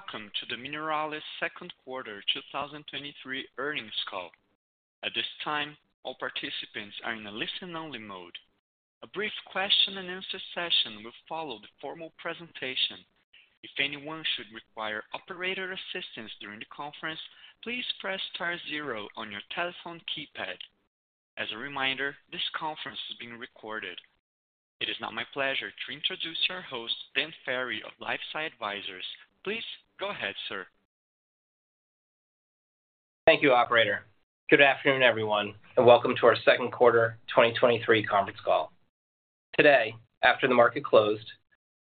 Welcome to the Mineralys second quarter 2023 earnings call. At this time, all participants are in a listen-only mode. A brief question-and-answer session will follow the formal presentation. If anyone should require operator assistance during the conference, please press star zero on your telephone keypad. As a reminder, this conference is being recorded. It is now my pleasure to introduce our host, Dan Ferry of LifeSci Advisors. Please go ahead, sir. Thank you, operator. Good afternoon, everyone, and welcome to our second quarter 2023 conference call. Today, after the market closed,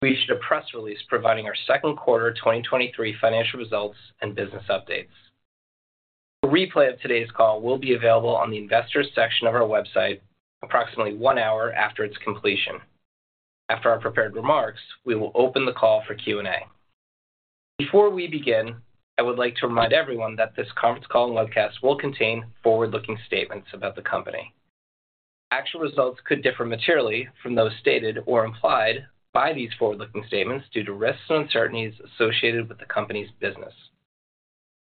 we issued a press release providing our second quarter 2023 financial results and business updates. A replay of today's call will be available on the investors section of our website approximately 1 hour after its completion. After our prepared remarks, we will open the call for Q&A. Before we begin, I would like to remind everyone that this conference call and webcast will contain forward-looking statements about the company. Actual results could differ materially from those stated or implied by these forward-looking statements due to risks and uncertainties associated with the company's business.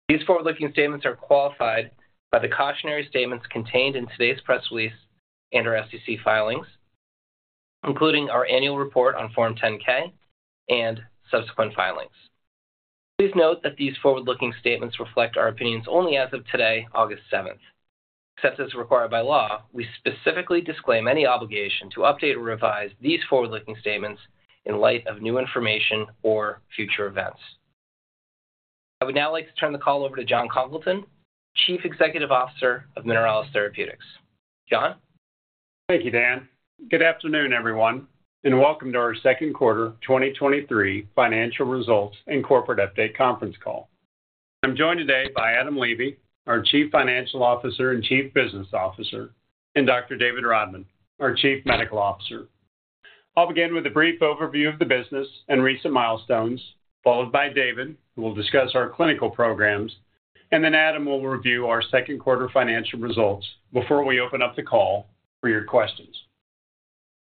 These forward-looking statements are qualified by the cautionary statements contained in today's press release and our SEC filings, including our annual report on Form 10-K and subsequent filings. Please note that these forward-looking statements reflect our opinions only as of today, August seventh. Except as required by law, we specifically disclaim any obligation to update or revise these forward-looking statements in light of new information or future events. I would now like to turn the call over to Jon Congleton, Chief Executive Officer of Mineralys Therapeutics. Jon? Thank you, Dan. Good afternoon, everyone, welcome to our second quarter 2023 financial results and corporate update conference call. I'm joined today by Adam Levy, our Chief Financial Officer and Chief Business Officer, Dr. David Rodman, our Chief Medical Officer. I'll begin with a brief overview of the business and recent milestones, followed by David, who will discuss our clinical programs, then Adam will review our second quarter financial results before we open up the call for your questions.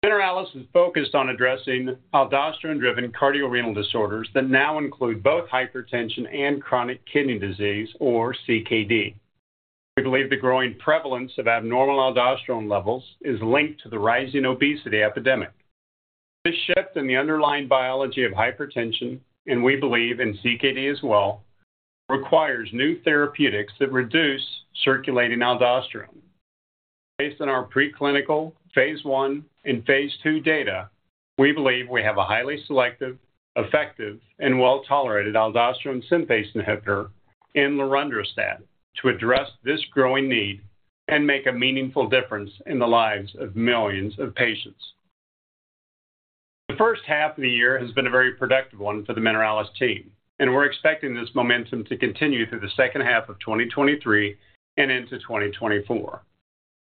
Mineralys is focused on addressing aldosterone-driven cardiorenal disorders that now include both hypertension and chronic kidney disease or CKD. We believe the growing prevalence of abnormal aldosterone levels is linked to the rising obesity epidemic. This shift in the underlying biology of hypertension, we believe in CKD as well, requires new therapeutics that reduce circulating aldosterone. Based on our preclinical phase I and phase II data, we believe we have a highly selective, effective, and well-tolerated aldosterone synthase inhibitor in lorundrostat to address this growing need and make a meaningful difference in the lives of millions of patients. The first half of the year has been a very productive one for the Mineralys team, and we're expecting this momentum to continue through the second half of 2023 and into 2024.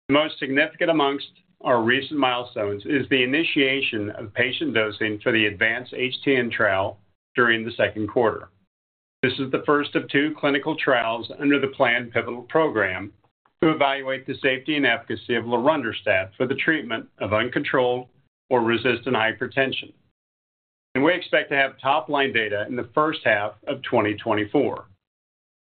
The most significant amongst our recent milestones is the initiation of patient dosing for the ADVANCE-HTN trial during the second quarter. This is the first of 2 clinical trials under the planned pivotal program to evaluate the safety and efficacy of lorundrostat for the treatment of uncontrolled or resistant hypertension, and we expect to have top-line data in the first half of 2024.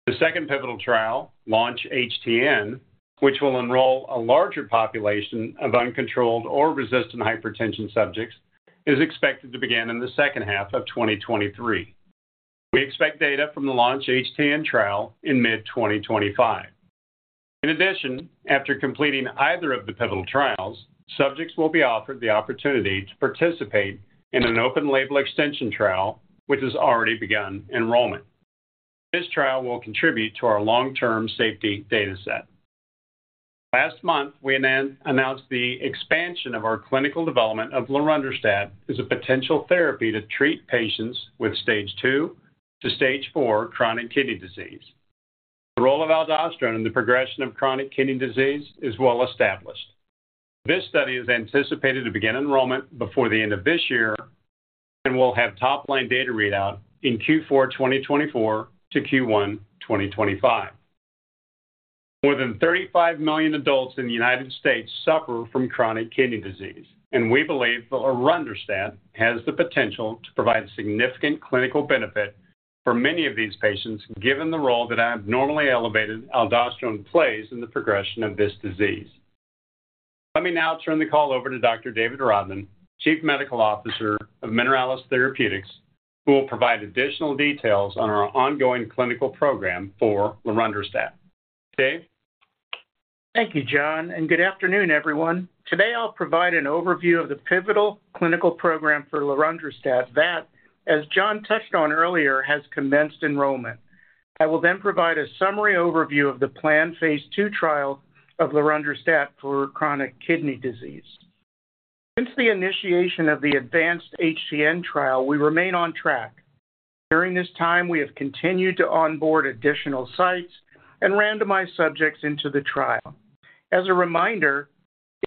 The second pivotal trial, LAUNCH-HTN, which will enroll a larger population of uncontrolled or resistant hypertension subjects, is expected to begin in the second half of 2023. We expect data from the LAUNCH-HTN trial in mid-2025. In addition, after completing either of the pivotal trials, subjects will be offered the opportunity to participate in an open label extension trial, which has already begun enrollment. This trial will contribute to our long-term safety data set. Last month, we announced the expansion of our clinical development of lorundrostat as a potential therapy to treat patients with Stage two to Stage four chronic kidney disease. The role of aldosterone in the progression of chronic kidney disease is well established. This study is anticipated to begin enrollment before the end of this year and will have top-line data readout in Q4 2024 to Q1 2025. More than 35 million adults in the United States suffer from chronic kidney disease, and we believe lorundrostat has the potential to provide significant clinical benefit for many of these patients, given the role that abnormally elevated aldosterone plays in the progression of this disease. Let me now turn the call over to Dr. David Rodman, Chief Medical Officer of Mineralys Therapeutics, who will provide additional details on our ongoing clinical program for lorundrostat. Dave? Thank you, Jon. Good afternoon, everyone. Today, I'll provide an overview of the pivotal clinical program for lorundrostat that, as Jon touched on earlier, has commenced enrollment. I will then provide a summary overview of the planned phase II trial of lorundrostat for chronic kidney disease. Since the initiation of the ADVANCE-HTN trial, we remain on track. During this time, we have continued to onboard additional sites and randomize subjects into the trial. As a reminder,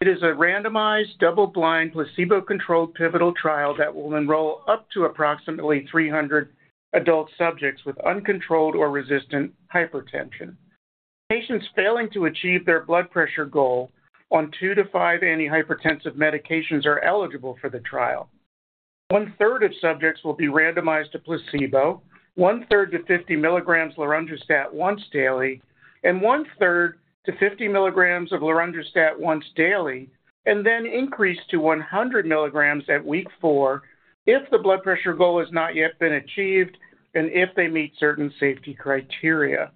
it is a randomized, double-blind, placebo-controlled pivotal trial that will enroll up to approximately 300 adult subjects with uncontrolled or resistant hypertension. Patients failing to achieve their blood pressure goal on 2-5 antihypertensive medications are eligible for the trial. One-third of subjects will be randomized to placebo, one-third to 50 milligrams lorundrostat once daily, and one-third to 50 milligrams of lorundrostat once daily, and then increased to 100 milligrams at week 4 if the blood pressure goal has not yet been achieved and if they meet certain safety criteria.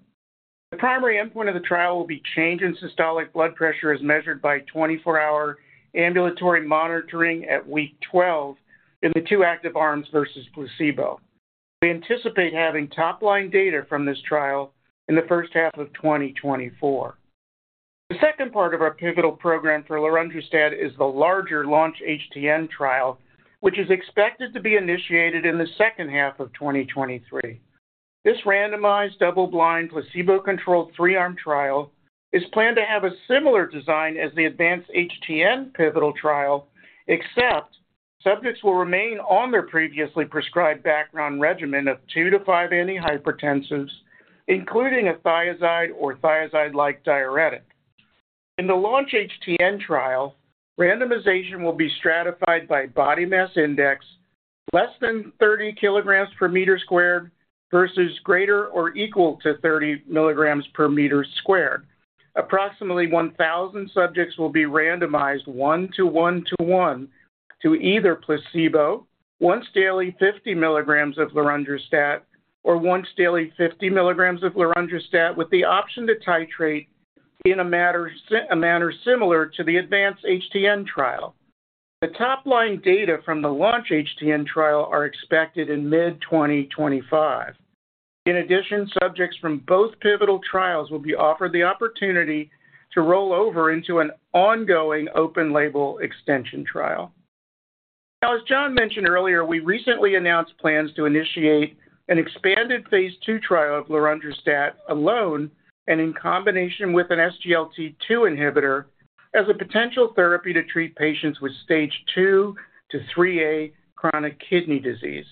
The primary endpoint of the trial will be change in systolic blood pressure, as measured by 24-hour ambulatory monitoring at week 12 in the 2 active arms versus placebo. We anticipate having top-line data from this trial in the first half of 2024. The second part of our pivotal program for lorundrostat is the larger LAUNCH-HTN trial, which is expected to be initiated in the second half of 2023. This randomized, double-blind, placebo-controlled, three-arm trial is planned to have a similar design as the ADVANCE-HTN pivotal trial, except subjects will remain on their previously prescribed background regimen of 2 to 5 antihypertensives, including a thiazide or thiazide-like diuretic. In the LAUNCH-HTN trial, randomization will be stratified by body mass index less than 30 kilograms per meter squared versus greater or equal to 30 milligrams per meter squared. Approximately 1,000 subjects will be randomized 1 to 1 to 1 to either placebo, once daily 50 milligrams of lorundrostat, or once daily 50 milligrams of lorundrostat, with the option to titrate in a manner similar to the ADVANCE-HTN trial. The top-line data from the LAUNCH-HTN trial are expected in mid-2025. In addition, subjects from both pivotal trials will be offered the opportunity to roll over into an ongoing open-label extension trial. As Jon mentioned earlier, we recently announced plans to initiate an expanded phase II trial of lorundrostat alone and in combination with an SGLT2 inhibitor as a potential therapy to treat patients with stage 2 to 3A chronic kidney disease.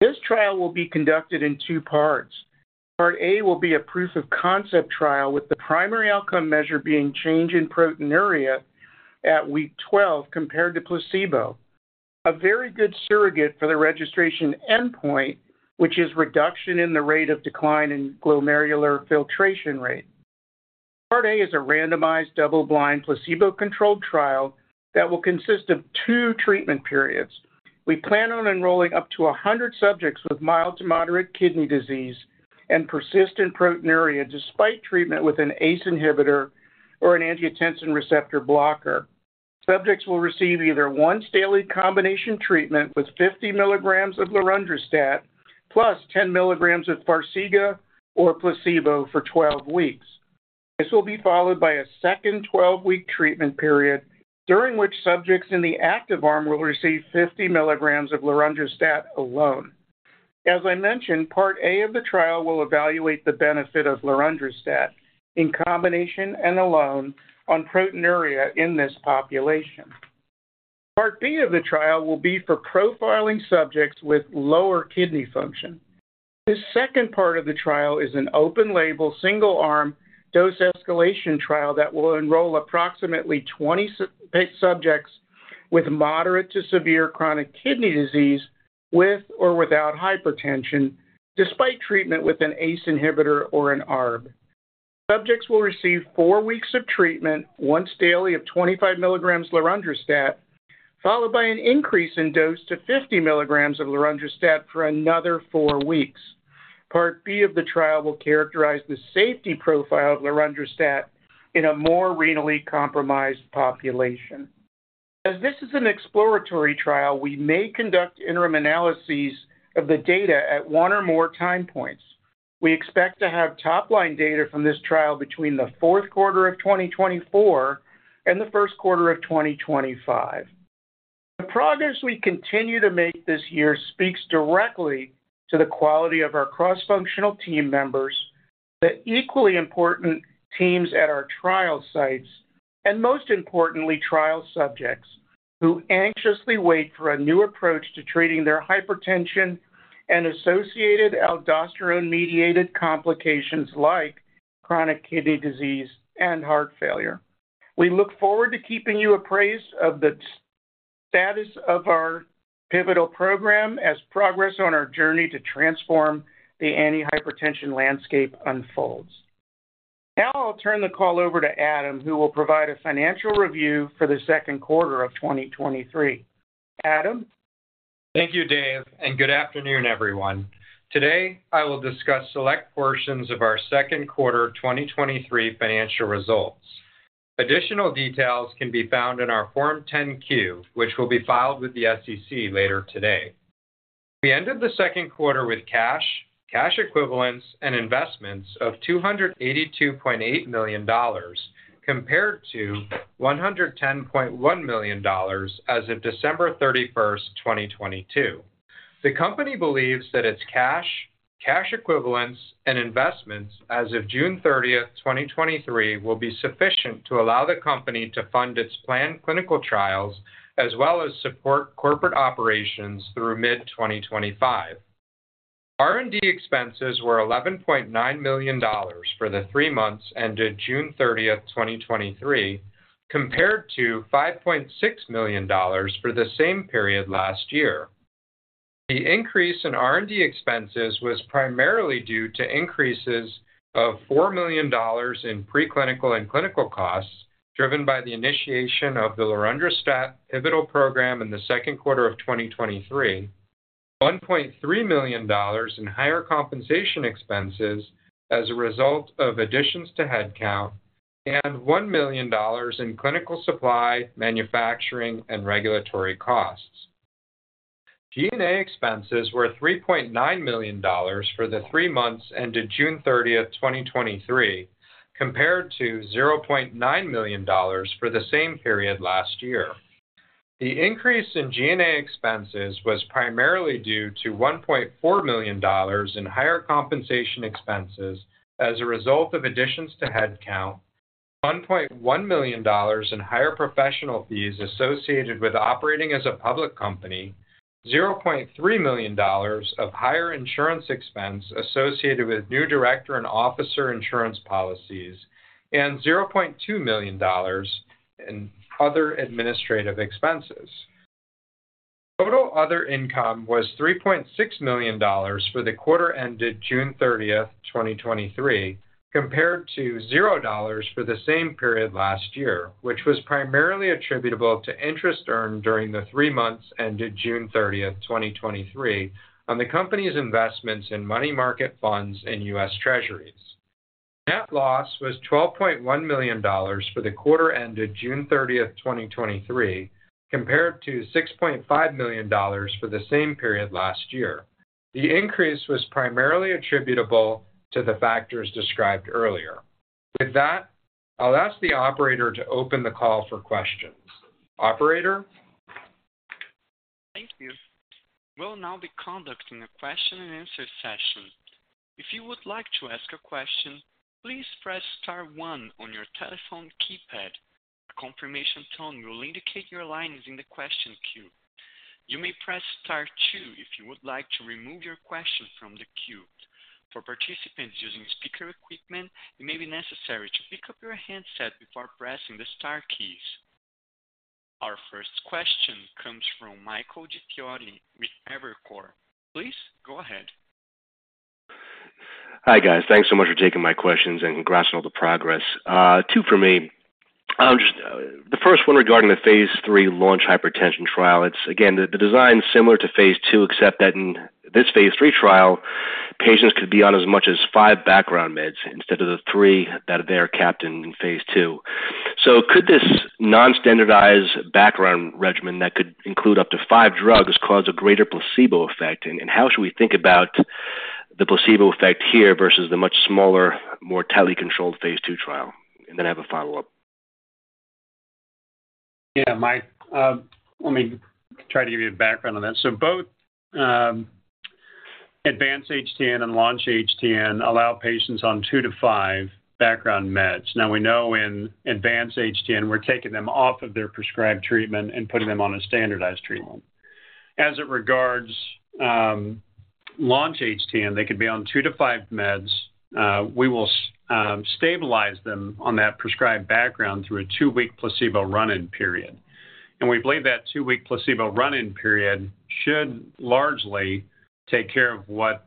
This trial will be conducted in 2 parts. Part A will be a proof-of-concept trial, with the primary outcome measure being change in proteinuria at week 12 compared to placebo. A very good surrogate for the registration endpoint, which is reduction in the rate of decline in glomerular filtration rate. Part A is a randomized, double-blind, placebo-controlled trial that will consist of 2 treatment periods. We plan on enrolling up to 100 subjects with mild to moderate kidney disease and persistent proteinuria, despite treatment with an ACE inhibitor or an angiotensin receptor blocker. Subjects will receive either once daily combination treatment with 50 milligrams of lorundrostat plus 10 milligrams of Farxiga or placebo for 12 weeks. This will be followed by a second 12-week treatment period, during which subjects in the active arm will receive 50 milligrams of lorundrostat alone. As I mentioned, Part A of the trial will evaluate the benefit of lorundrostat in combination and alone on proteinuria in this population. Part B of the trial will be for profiling subjects with lower kidney function. This second part of the trial is an open-label, single-arm dose escalation trial that will enroll approximately 20 subjects with moderate to severe chronic kidney disease, with or without hypertension, despite treatment with an ACE inhibitor or an ARB. Subjects will receive 4 weeks of treatment, once daily of 25 milligrams lorundrostat, followed by an increase in dose to 50 milligrams of lorundrostat for another 4 weeks. Part B of the trial will characterize the safety profile of lorundrostat in a more renally compromised population. As this is an exploratory trial, we may conduct interim analyses of the data at 1 or more time points. We expect to have top-line data from this trial between the fourth quarter of 2024 and the first quarter of 2025. The progress we continue to make this year speaks directly to the quality of our cross-functional team members, the equally important teams at our trial sites, and most importantly, trial subjects who anxiously wait for a new approach to treating their hypertension and associated aldosterone-mediated complications like chronic kidney disease and heart failure. We look forward to keeping you appraised of the status of our pivotal program as progress on our journey to transform the antihypertension landscape unfolds. Now I'll turn the call over to Adam, who will provide a financial review for the second quarter of 2023. Adam? Thank you, Dave. Good afternoon, everyone. Today, I will discuss select portions of our second quarter 2023 financial results. Additional details can be found in our Form 10-Q, which will be filed with the SEC later today. We ended the second quarter with cash, cash equivalents and investments of $282.8 million, compared to $110.1 million as of December 31, 2022. The company believes that its cash, cash equivalents, and investments as of June 30, 2023, will be sufficient to allow the company to fund its planned clinical trials, as well as support corporate operations through mid-2025. R&D expenses were $11.9 million for the three months ended June 30, 2023, compared to $5.6 million for the same period last year. The increase in R&D expenses was primarily due to increases of $4 million in preclinical and clinical costs, driven by the initiation of the lorundrostat pivotal program in the second quarter of 2023, $1.3 million in higher compensation expenses as a result of additions to headcount, and $1 million in clinical supply, manufacturing, and regulatory costs. G&A expenses were $3.9 million for the three months ended June 30th, 2023, compared to $0.9 million for the same period last year. The increase in G&A expenses was primarily due to $1.4 million in higher compensation expenses as a result of additions to headcount, $1.1 million in higher professional fees associated with operating as a public company, $0.3 million of higher insurance expense associated with new director and officer insurance policies, and $0.2 million in other administrative expenses. Total other income was $3.6 million for the quarter ended June 30th, 2023, compared to $0 for the same period last year, which was primarily attributable to interest earned during the three months ended June 30th, 2023, on the company's investments in money market funds and U.S. Treasuries. Net loss was $12.1 million for the quarter ended June 30, 2023, compared to $6.5 million for the same period last year. The increase was primarily attributable to the factors described earlier. I'll ask the operator to open the call for questions. Operator? Thank you. We'll now be conducting a question and answer session. If you would like to ask a question, please press star one on your telephone keypad. A confirmation tone will indicate your line is in the question queue. You may press star two if you would like to remove your question from the queue. For participants using speaker equipment, it may be necessary to pick up your handset before pressing the star keys. Our first question comes from Michael DiFiore with Evercore. Please go ahead. Hi, guys. Thanks so much for taking my questions, congrats on all the progress. Two for me. I'll just... The first one regarding the phase III LAUNCH-HTN trial. It's, again, the, the design is similar to phase II, except that in this phase III trial, patients could be on as much as 5 background meds instead of the three that they are capped in in phase II. Could this non-standardized background regimen that could include up to five drugs cause a greater placebo effect? How should we think about the placebo effect here versus the much smaller, more tightly controlled phase II trial? I have a follow-up. Yeah, Mike, let me try to give you a background on that. Both ADVANCE-HTN and LAUNCH-HTN allow patients on 2-5 background meds. Now, we know in ADVANCE-HTN, we're taking them off of their prescribed treatment and putting them on a standardized treatment. As it regards LAUNCH-HTN, they could be on 2-5 meds. We will stabilize them on that prescribed background through a 2-week placebo run-in period. We believe that 2-week placebo run-in period should largely take care of what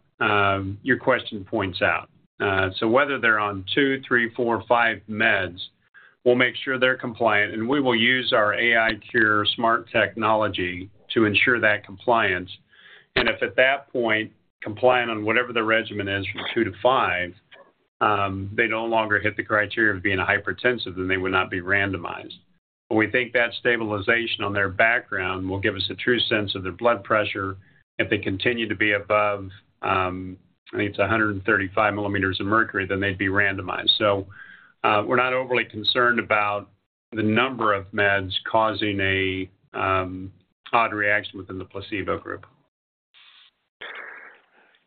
your question points out. Whether they're on two, three, four, or five meds, we'll make sure they're compliant, and we will use our AiCure smart technology to ensure that compliance. If at that point, compliant on whatever the regimen is, from 2-5, they no longer hit the criteria of being hypertensive, then they would not be randomized. We think that stabilization on their background will give us a true sense of their blood pressure. If they continue to be above, I think it's 135 millimeters of mercury, then they'd be randomized. We're not overly concerned about the number of meds causing a odd reaction within the placebo group.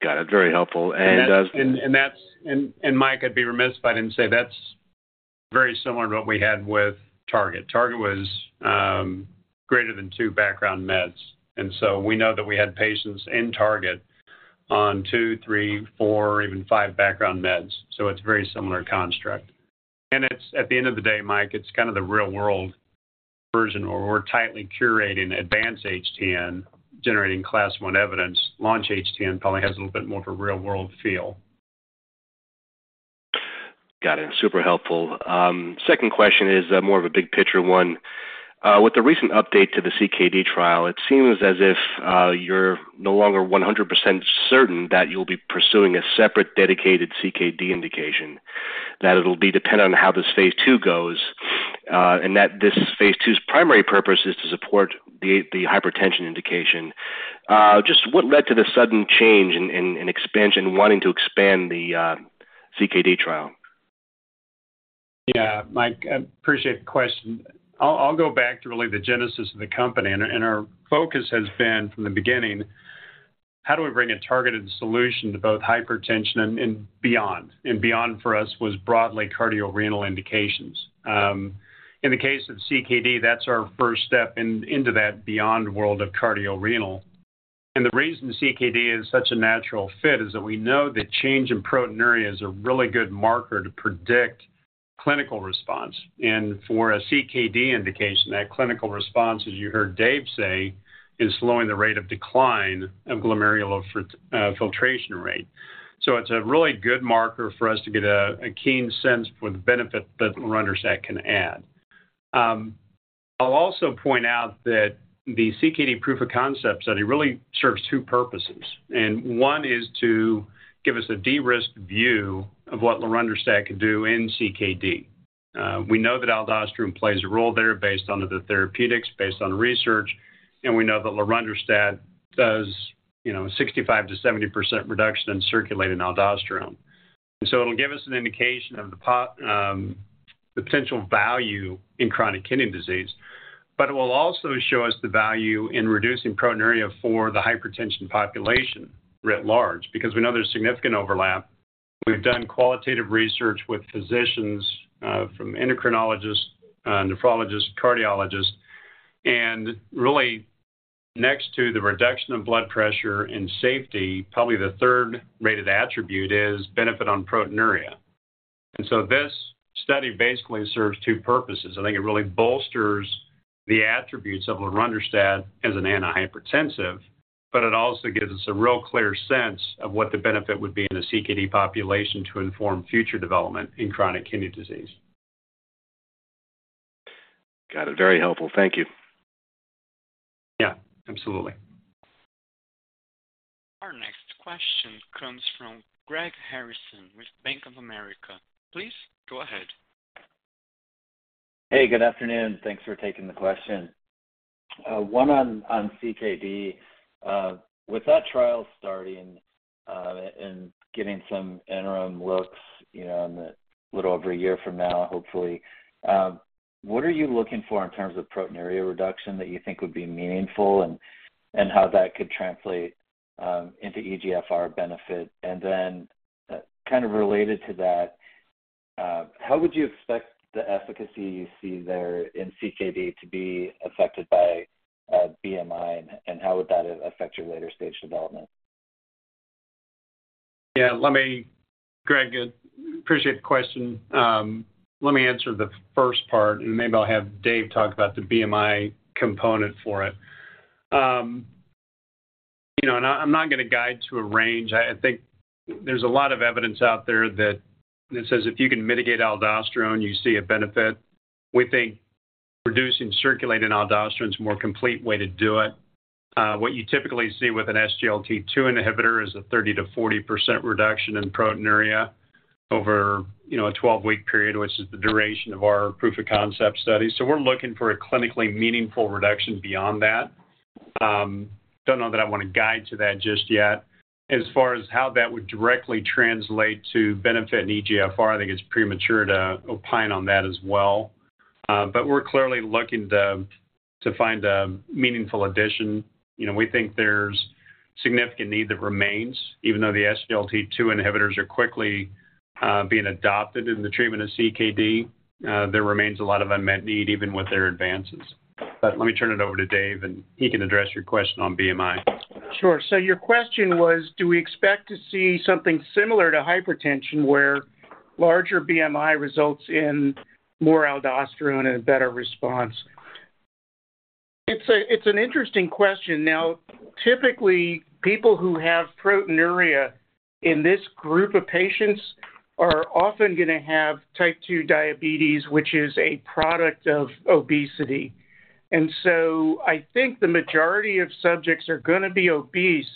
Got it. Very helpful. That's... And, Mike, I'd be remiss if I didn't say that's very similar to what we had with TARGET-HTN. TARGET-HTN was greater than 2 background meds, so we know that we had patients in TARGET-HTN on 2, 3, 4, or even 5 background meds, so it's a very similar construct. It's, at the end of the day, Mike, it's kind of the real-world version where we're tightly curating ADVANCE-HTN, generating Class 1 evidence. LAUNCH-HTN probably has a little bit more of a real-world feel. Got it. Super helpful. Second question is, more of a big picture one. With the recent update to the CKD trial, it seems as if, you're no longer 100% certain that you'll be pursuing a separate, dedicated CKD indication, that it'll be dependent on how this phase II goes, and that this phase II's primary purpose is to support the, the hypertension indication. Just what led to the sudden change in, in, in expansion, wanting to expand the, CKD trial? Yeah, Mike, I appreciate the question. I'll go back to really the genesis of the company. Our focus has been from the beginning, how do we bring a targeted solution to both hypertension and beyond? Beyond for us was broadly cardiorenal indications. In the case of CKD, that's our first step into that beyond world of cardiorenal. The reason CKD is such a natural fit is that we know that change in proteinuria is a really good marker to predict clinical response. For a CKD indication, that clinical response, as you heard Dave say, is slowing the rate of decline of glomerular filt, filtration rate. It's a really good marker for us to get a, a keen sense for the benefit that lorundrostat can add. I'll also point out that the CKD proof of concept study really serves two purposes, and one is to give us a de-risked view of what lorundrostat could do in CKD. We know that aldosterone plays a role there based on the therapeutics, based on research, and we know that lorundrostat does, you know, 65%-70% reduction in circulating aldosterone. It'll give us an indication of the pot, the potential value in chronic kidney disease, but it will also show us the value in reducing proteinuria for the hypertension population writ large because we know there's significant overlap. We've done qualitative research with physicians, from endocrinologists, nephrologists, cardiologists, and really, next to the reduction of blood pressure and safety, probably the third rated attribute is benefit on proteinuria. This study basically serves two purposes. I think it really bolsters the attributes of lorundrostat as an antihypertensive, but it also gives us a real clear sense of what the benefit would be in the CKD population to inform future development in chronic kidney disease. Got it. Very helpful. Thank you. Yeah, absolutely. Our next question comes from Greg Harrison with Bank of America. Please go ahead. Hey, good afternoon. Thanks for taking the question. One on, on CKD. With that trial starting, and getting some interim looks, you know, in a little over a year from now, hopefully, what are you looking for in terms of proteinuria reduction that you think would be meaningful, and, and how that could translate, into eGFR benefit? Kind of related to that, how would you expect the efficacy you see there in CKD to be affected by, BMI, and how would that affect your later-stage development? Yeah, let me, Greg, appreciate the question. Let me answer the first part, and maybe I'll have Dave talk about the BMI component for it. You know, and I, I'm not going to guide to a range. I, I think there's a lot of evidence out there that that says if you can mitigate aldosterone, you see a benefit. We think reducing circulating aldosterone is a more complete way to do it. What you typically see with an SGLT2 inhibitor is a 30%-40% reduction in proteinuria over, you know, a 12-week period, which is the duration of our proof of concept study. We're looking for a clinically meaningful reduction beyond that. Don't know that I want to guide to that just yet. As far as how that would directly translate to benefit in eGFR, I think it's premature to opine on that as well. We're clearly looking to find a meaningful addition. You know, we think there's significant need that remains, even though the SGLT2 inhibitors are quickly being adopted in the treatment of CKD. There remains a lot of unmet need, even with their advances. Let me turn it over to Dave, and he can address your question on BMI. Sure. Your question was, do we expect to see something similar to hypertension, where larger BMI results in more aldosterone and a better response? It's an interesting question. Typically, people who have proteinuria in this group of patients are often going to have type 2 diabetes, which is a product of obesity. I think the majority of subjects are going to be obese,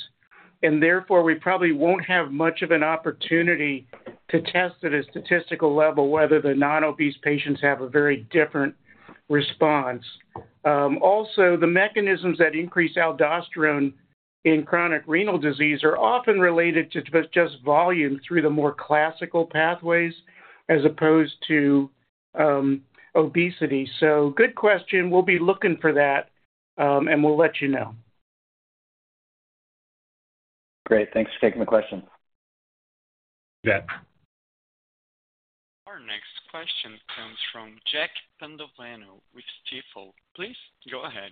and therefore, we probably won't have much of an opportunity to test at a statistical level whether the non-obese patients have a very different response. Also, the mechanisms that increase aldosterone in chronic renal disease are often related to just volume through the more classical pathways as opposed to obesity. Good question. We'll be looking for that, and we'll let you know. Great. Thanks for taking my question. Yeah. Our next question comes from Jack Padovano with Stifel. Please go ahead.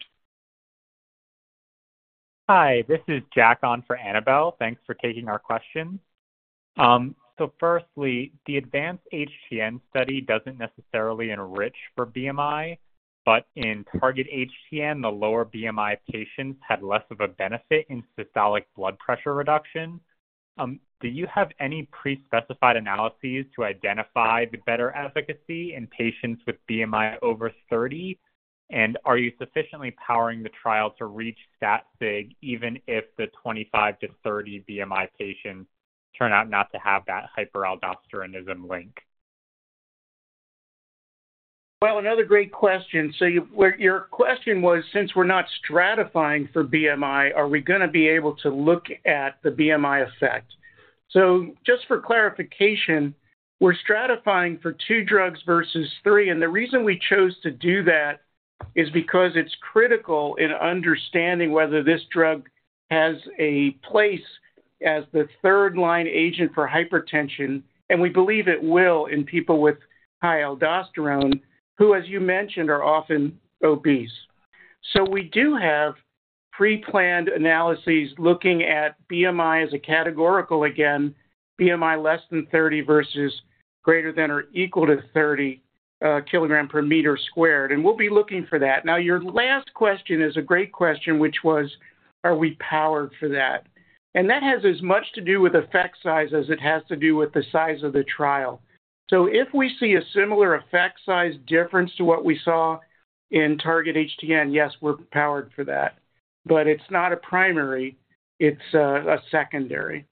Hi, this is Jack on for Annabelle. Thanks for taking our question. Firstly, the ADVANCE-HTN study doesn't necessarily enrich for BMI, but in TARGET-HTN, the lower BMI patients had less of a benefit in systolic blood pressure reduction. Do you have any pre-specified analyses to identify the better efficacy in patients with BMI over 30? Are you sufficiently powering the trial to reach that sig, even if the 25-30 BMI patients turn out not to have that hyperaldosteronism link? Well, another great question. Well, your question was, since we're not stratifying for BMI, are we going to be able to look at the BMI effect? Just for clarification, we're stratifying for 2 drugs versus 3, and the reason we chose to do that is because it's critical in understanding whether this drug has a place as the third-line agent for hypertension, and we believe it will in people with high aldosterone, who, as you mentioned, are often obese. We do have pre-planned analyses looking at BMI as a categorical again, BMI less than 30 versus greater than or equal to 30 kilogram per meter squared, and we'll be looking for that. Now, your last question is a great question, which was: Are we powered for that? That has as much to do with effect size as it has to do with the size of the trial. If we see a similar effect size difference to what we saw in TARGET-HTN, yes, we're powered for that, but it's not a primary, it's a secondary.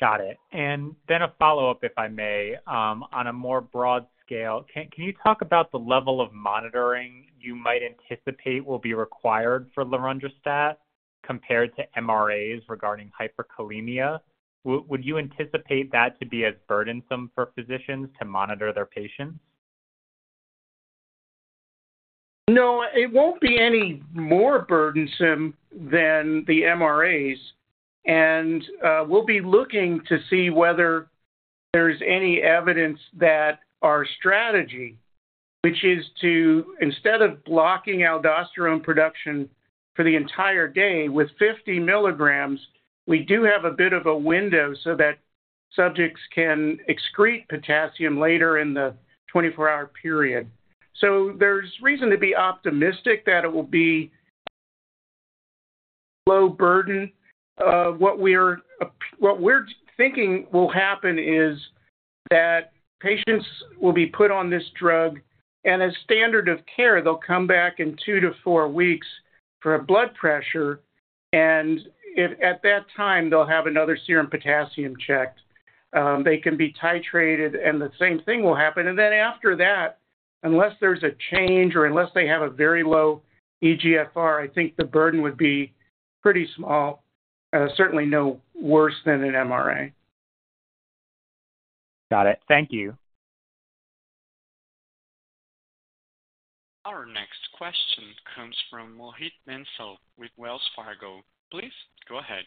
Got it. Then a follow-up, if I may. On a more broad scale, can, can you talk about the level of monitoring you might anticipate will be required for lorundrostat compared to MRAs regarding hyperkalemia? Would you anticipate that to be as burdensome for physicians to monitor their patients? No, it won't be any more burdensome than the MRAs, and we'll be looking to see whether there's any evidence that our strategy, which is to, instead of blocking aldosterone production for the entire day with 50 milligrams, we do have a bit of a window so that subjects can excrete potassium later in the 24-hour period. There's reason to be optimistic that it will be low burden. What we're thinking will happen is that patients will be put on this drug, and as standard of care, they'll come back in 2 to 4 weeks for a blood pressure, and if at that time they'll have another serum potassium checked, they can be titrated, and the same thing will happen. Then after that, unless there's a change or unless they have a very low eGFR, I think the burden would be pretty small, certainly no worse than an MRA. Got it. Thank you. Our next question comes from Mohit Bansal with Wells Fargo. Please go ahead.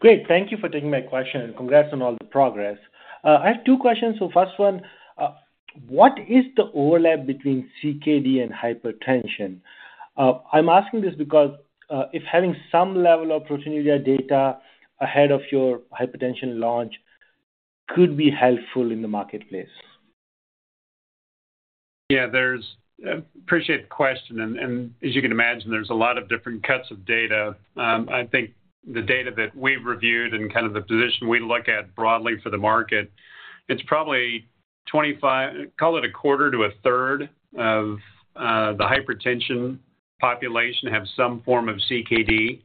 Great, thank you for taking my question, congrats on all the progress. I have 2 questions. First one, what is the overlap between CKD and hypertension? I'm asking this because, if having some level of proteinuria data ahead of your hypertension launch could be helpful in the marketplace. Yeah, there's... Appreciate the question, and, and as you can imagine, there's a lot of different cuts of data. I think the data that we've reviewed and kind of the position we look at broadly for the market, it's probably 25, call it a quarter to a third of the hypertension population have some form of CKD.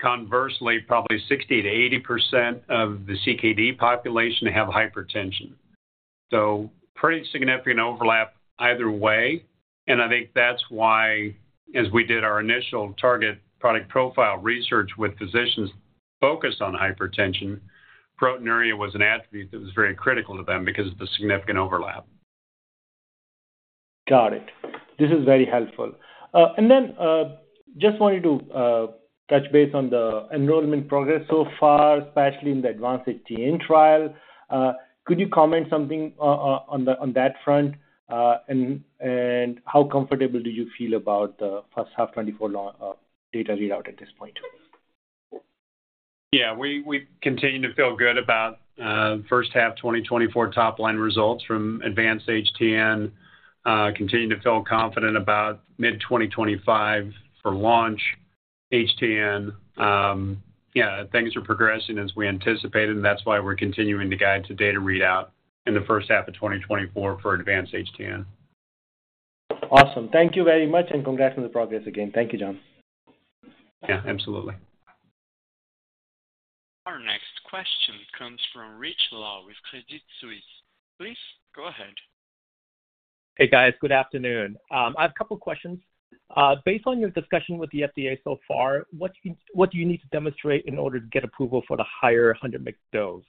Conversely, probably 60%-80% of the CKD population have hypertension. Pretty significant overlap either way, and I think that's why, as we did our initial target product profile research with physicians focused on hypertension, proteinuria was an attribute that was very critical to them because of the significant overlap. Got it. This is very helpful. Just wanted to touch base on the enrollment progress so far, especially in the ADVANCE-HTN trial. Could you comment something on that front? How comfortable do you feel about the first half 2024 long data readout at this point? Yeah, we, we continue to feel good about first half 2024 top-line results from ADVANCE-HTN, continue to feel confident about mid-2025 for LAUNCH-HTN. Yeah, things are progressing as we anticipated, and that's why we're continuing to guide to data readout in the first half of 2024 for ADVANCE-HTN. Awesome. Thank you very much. Congrats on the progress again. Thank you, Jon. Yeah, absolutely. Our next question comes from Rich Law with Credit Suisse. Please go ahead. Hey, guys. Good afternoon. I have 2 questions. Based on your discussion with the FDA so far, what do you, what do you need to demonstrate in order to get approval for the higher 100 mg dose?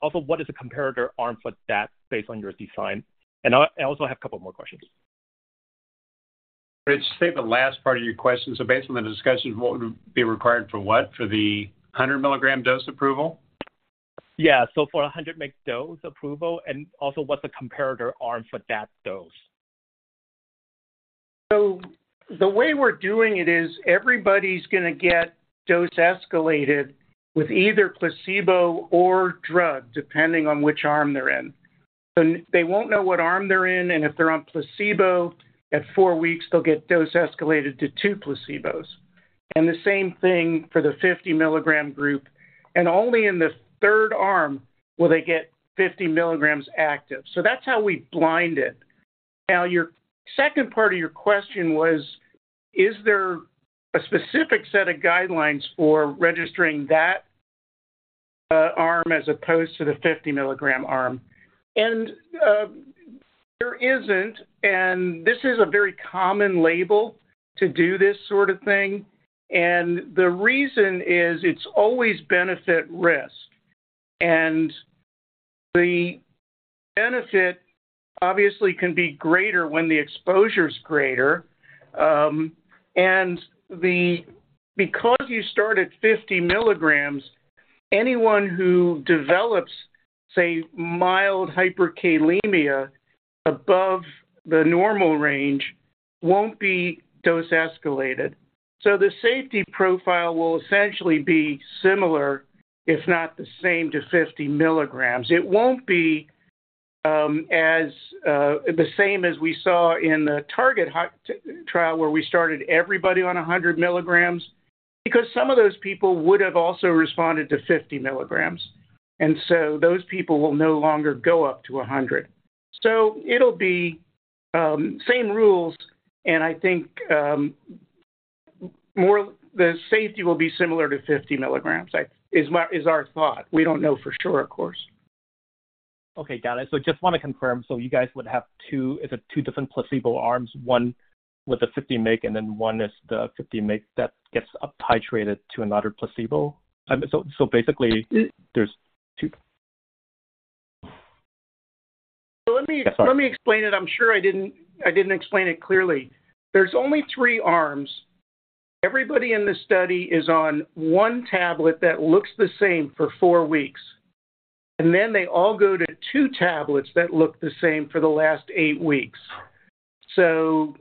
Also, what is the comparator arm for that based on your design? I, I also have 2 more questions. Rich, say the last part of your question. Based on the discussions, what would be required for what? For the 100-milligram dose approval? Yeah. For 100 mg dose approval and also what's the comparator arm for that dose? The way we're doing it is everybody's gonna get dose escalated with either placebo or drug, depending on which arm they're in. N- they won't know what arm they're in, and if they're on placebo, at 4 weeks, they'll get dose escalated to 2 placebos. The same thing for the 50-milligram group, only in the third arm will they get 50 milligrams active. That's how we blind it. Now, your second part of your question was, is there a specific set of guidelines for registering that arm as opposed to the 50-milligram arm? There isn't, and this is a very common label to do this sort of thing. The reason is it's always benefit risk. The benefit obviously can be greater when the exposure's greater. Because you start at 50 milligrams, anyone who develops, say, mild hyperkalemia above the normal range won't be dose escalated. The safety profile will essentially be similar, if not the same, to 50 milligrams. It won't be the same as we saw in the TARGET-HTN trial, where we started everybody on 100 milligrams, because some of those people would have also responded to 50 milligrams, those people will no longer go up to 100. It'll be same rules, I think the safety will be similar to 50 milligrams, is my, is our thought. We don't know for sure, of course. Okay, got it. Just wanna confirm, so you guys would have 2, it's a 2 different placebo arms, one with the 50 mg and then one is the 50 mg that gets uptitrated to another placebo? So basically, there's 2. So let me- Sorry. Let me explain it. I'm sure I didn't, I didn't explain it clearly. There's only three arms. Everybody in this study is on one tablet that looks the same for four weeks, and then they all go to two tablets that look the same for the last eight weeks. The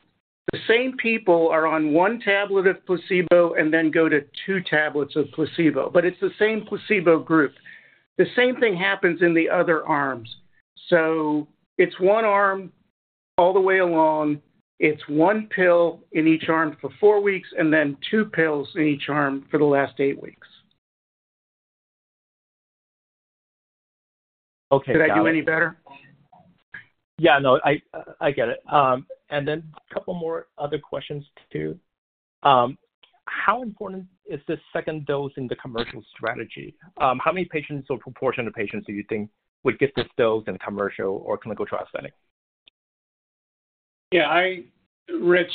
same people are on one tablet of placebo and then go to two tablets of placebo, but it's the same placebo group. The same thing happens in the other arms. It's one arm all the way along. It's one pill in each arm for four weeks, and then two pills in each arm for the last eight weeks. Okay, got it. Did I do any better? Yeah, no, I, I get it. A couple more other questions, too. How important is this second dose in the commercial strategy? How many patients or proportion of patients do you think would get this dose in a commercial or clinical trial setting? Yeah, Rich,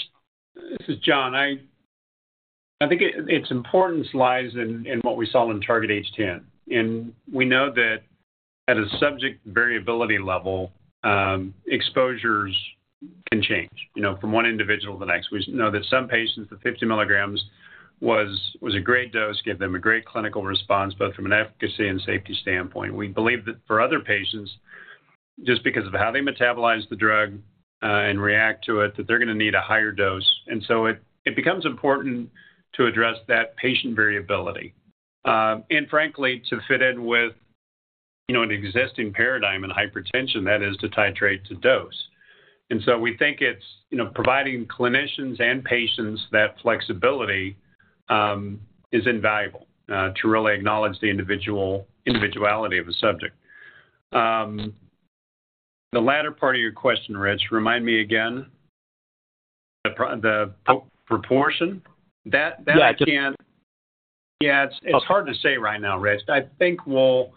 this is Jon. I, I think it, its importance lies in, in what we saw in TARGET-HTN. We know that at a subject variability level, exposures can change, you know, from one individual to the next. We know that some patients, the 50 milligrams was, was a great dose, gave them a great clinical response, both from an efficacy and safety standpoint. We believe that for other patients, just because of how they metabolize the drug, and react to it, that they're gonna need a higher dose. So it, it becomes important to address that patient variability. Frankly, to fit in with, you know, an existing paradigm in hypertension, that is to titrate to dose. We think it's, you know, providing clinicians and patients that flexibility, is invaluable to really acknowledge the individual, individuality of a subject. The latter part of your question, Rich, remind me again. The proportion? That I can't... Yeah. Yeah, it's, it's hard to say right now, Rich. I think we'll,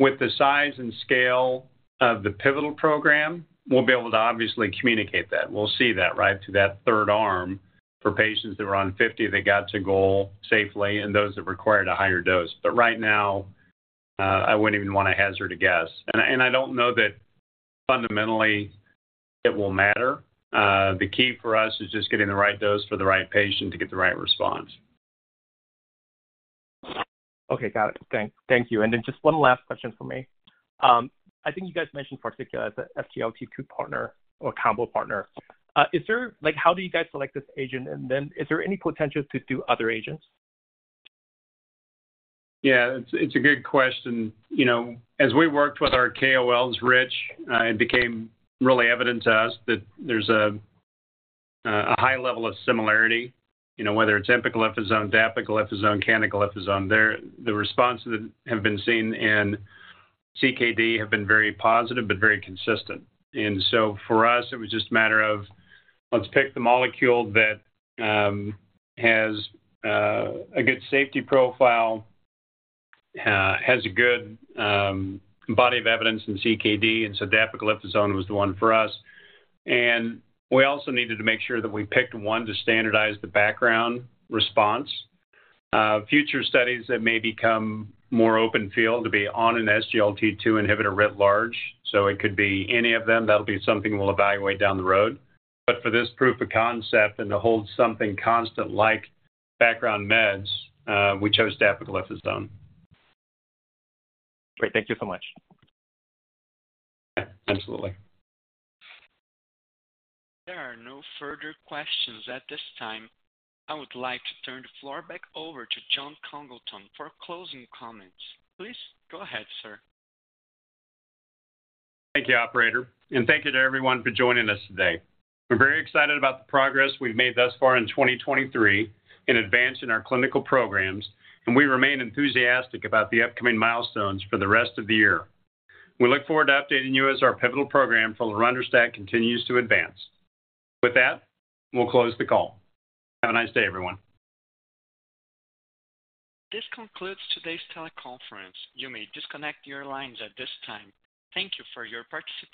with the size and scale of the pivotal program, we'll be able to obviously communicate that. We'll see that, right, to that third arm for patients that were on 50, they got to goal safely and those that required a higher dose. Right now, I wouldn't even want to hazard a guess. I don't know that fundamentally it will matter. The key for us is just getting the right dose for the right patient to get the right response. Okay, got it. Thank, thank you. Just one last question from me. I think you guys mentioned Particula as a SGLT2 partner or combo partner. Is there, like, how do you guys select this agent? Is there any potential to do other agents? Yeah, it's, it's a good question. You know, as we worked with our KOLs, Rich, it became really evident to us that there's a, a, a high level of similarity, you know, whether it's empagliflozin, dapagliflozin, canagliflozin. There, the responses that have been seen in CKD have been very positive but very consistent. For us, it was just a matter of let's pick the molecule that has a good safety profile, has a good body of evidence in CKD, and so dapagliflozin was the one for us. We also needed to make sure that we picked one to standardize the background response. Future studies that may become more open field to be on an SGLT2 inhibitor writ large, so it could be any of them. That'll be something we'll evaluate down the road. For this proof of concept and to hold something constant, like background meds, we chose dapagliflozin. Great. Thank you so much. Yeah, absolutely. There are no further questions at this time. I would like to turn the floor back over to Jon Congleton for closing comments. Please go ahead, sir. Thank you, operator, and thank you to everyone for joining us today. We're very excited about the progress we've made thus far in 2023 in advancing our clinical programs, and we remain enthusiastic about the upcoming milestones for the rest of the year. We look forward to updating you as our pivotal program for lorundrostat continues to advance. With that, we'll close the call. Have a nice day, everyone. This concludes today's teleconference. You may disconnect your lines at this time. Thank you for your participation.